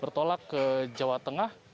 bertolak ke jawa tengah